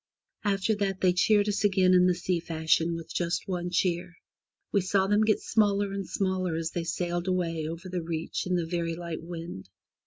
After that they cheered us again in the sea fashion, with just one cheer. We saw them get smaller and smaller as they sailed away over the reach in the very light wind.